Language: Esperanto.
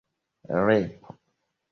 repo